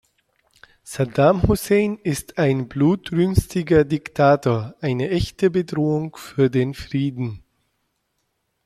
Saddam Hussein ist ein blutrünstiger Diktator, eine echte Bedrohung für den Frieden.